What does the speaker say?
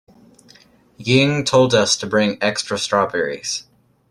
Ying told us to bring extra strawberries.